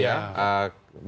bisa diajukan lagi